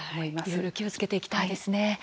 いろいろ気をつけていきたいですね。